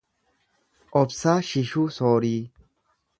Obsaa Shishuu Soorii